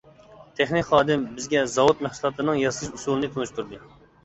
تېخنىك خادىم بىزگە زاۋۇت مەھسۇلاتلىرىنىڭ ياسىلىش ئۇسۇلىنى تونۇشتۇردى.